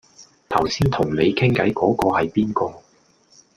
頭先同你傾偈嗰嗰係邊個